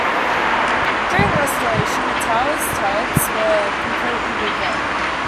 During restoration, the tower's turrets were completely rebuilt.